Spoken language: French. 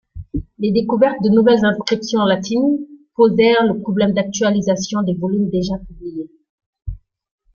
Les découvertes de nouvelles inscriptions latines posèrent le problème d'actualisation des volumes déjà publiés.